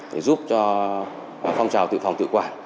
để giúp cho phong trào tự phòng tự quản